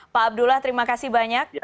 pak abdullah terima kasih banyak